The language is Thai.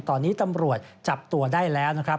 ตอนนี้ตำรวจจับตัวได้แล้วนะครับ